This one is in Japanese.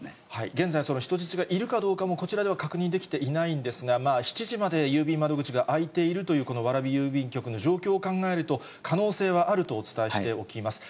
現在、その人質がいるかどうかもこちらでは確認できていないんですが、７時まで郵便窓口が開いているというこの蕨郵便局の状況を考えると、可能性はあるとお伝えしておきます。